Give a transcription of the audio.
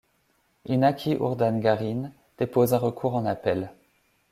Inaki Urdangarin dépose un recours en appel.